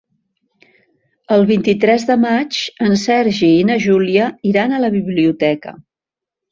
El vint-i-tres de maig en Sergi i na Júlia iran a la biblioteca.